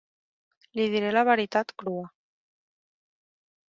Li diré la veritat crua.